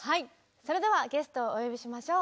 それではゲストをお呼びしましょう。